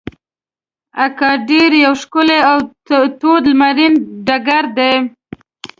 اګادیر یو ښکلی او تود لمرین ډګر دی.